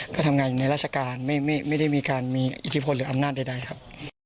ก็ทำงานอยู่ในราชการไม่ได้มีการมีอิทธิพลหรืออำนาจใดครับ